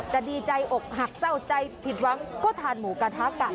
แต่ดีใจอกหักเศร้าใจผิดหวังก็ทานหมูกระทะกัน